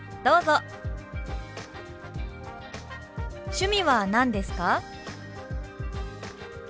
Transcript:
「趣味は何ですか？」。